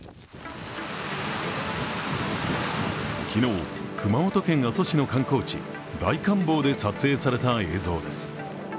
昨日、熊本県阿蘇市の観光地大観峰で撮影された映像です。